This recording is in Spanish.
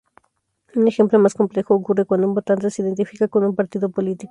Un ejemplo más complejo ocurre cuando un votante se identifica con un partido político.